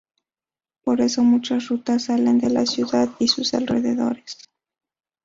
Por eso muchas rutas salen de la ciudad y sus alrededores.